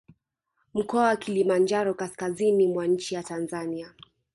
Mkoa wa Kilimanjaro kaskazini mwa nchi ya Tanzania